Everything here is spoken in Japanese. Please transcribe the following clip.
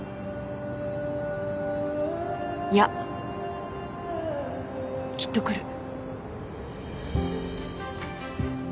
いやきっと来る。